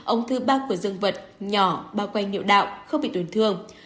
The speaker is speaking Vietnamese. ông thứ ba của dương vật nhỏ bao quanh nhiều đạo không bị tổn thương